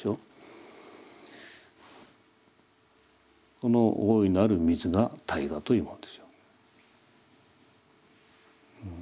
この大いなる水が大我というものでしょう。